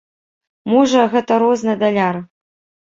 Можа, гэта розны даляр.